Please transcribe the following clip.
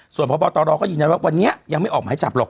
ส่วนพบตรก็ยืนยันว่าวันนี้ยังไม่ออกหมายจับหรอก